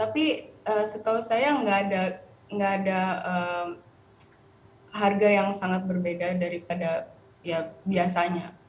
tapi setahu saya nggak ada harga yang sangat berbeda daripada ya biasanya